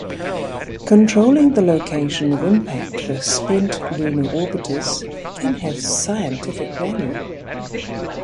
Controlling the location of impact for spent lunar orbiters can have scientific value.